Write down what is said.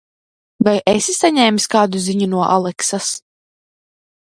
Vai esi saņēmis kādu ziņu no Aleksas?